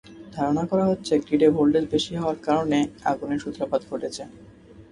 ধারণা করা হচ্ছে, গ্রিডে ভোল্টেজ বেশি হওয়ার কারণে আগুনের সূত্রপাত ঘটেছে।